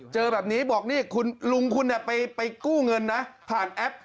เจอแบบนี้บอกนี่คุณลุงคุณไปกู้เงินนะผ่านแอป